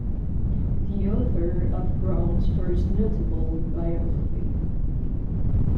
The author of Brown's first notable biography.